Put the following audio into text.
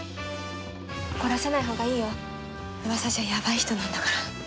怒らせない方がいいようわさじゃやばい人なんだから。